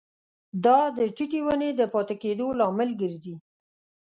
دا د ټیټې ونې د پاتې کیدو لامل ګرځي.